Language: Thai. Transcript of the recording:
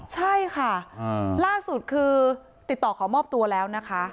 ใช่ค่ะล่าสุดคือติดต่อขอมอบตัวแล้วนะคะ